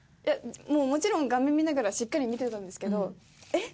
もちろん画面見ながらしっかり見てたんですけどえっ！？